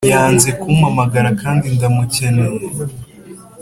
yanze kumamagara kandi ndamukeneye